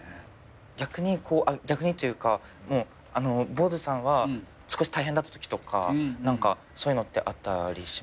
逆に逆にというかＢｏｓｅさんは少し大変だったときとかそういうのってあったりしましたか？